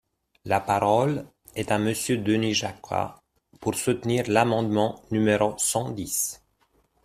La parole est à Monsieur Denis Jacquat, pour soutenir l’amendement numéro cent dix.